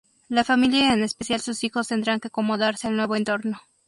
La familia y en especial sus hijos tendrán que acomodarse al nuevo entorno.